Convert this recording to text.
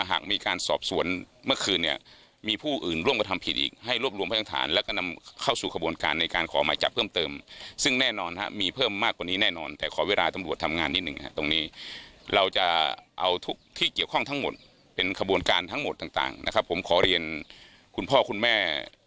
หากมีการสอบสวนเมื่อคืนเนี่ยมีผู้อื่นร่วมกระทำผิดอีกให้รวบรวมพยาฐานแล้วก็นำเข้าสู่ขบวนการในการขอหมายจับเพิ่มเติมซึ่งแน่นอนฮะมีเพิ่มมากกว่านี้แน่นอนแต่ขอเวลาตำรวจทำงานนิดหนึ่งตรงนี้เราจะเอาทุกที่เกี่ยวข้องทั้งหมดเป็นขบวนการทั้งหมดต่างนะครับผมขอเรียนคุณพ่อคุณแม่